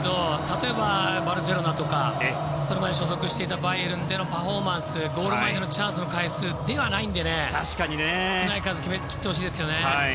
例えばバルセロナとかその前に所属していたバイエルンでのパフォーマンス、ゴールまでのチャンスの回数はないので少ない数を決め切ってほしいですね。